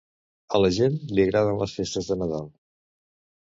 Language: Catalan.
A la gent li agraden les festes de Nadal.